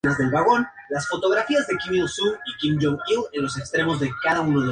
Se conocieron en un concierto de Maude Valerie White, en el que Leonora tocó.